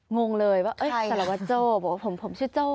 งงเลยว่าสารวัตโจ้บอกว่าผมชื่อโจ้